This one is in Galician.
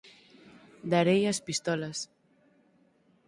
darei as pistolas.